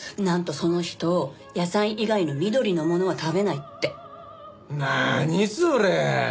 なんとその人野菜以外の緑のものは食べないって。